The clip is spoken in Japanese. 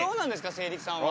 「勢力」さんは。